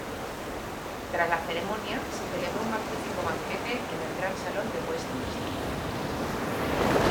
Tras la ceremonia se celebró un magnífico banquete en el Gran Salón de Westminster.